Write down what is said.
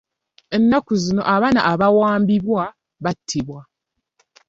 Ennaku zino abaana abawambibwa battibwa.